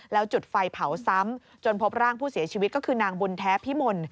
แล้วจุดไฟเผาซ้ำจนพบร่างผู้เสียชีวิตก็คือนางบุญแท้พิมล